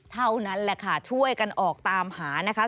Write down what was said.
เท่านั้นแหละค่ะช่วยกันออกตามหานะคะ